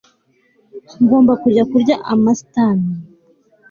Ngomba kujya kurya Amastan